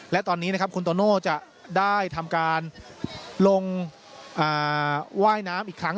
และตอนนี้นะครับคุณโตโน่จะได้ทำการลงว่ายน้ำอีกครั้ง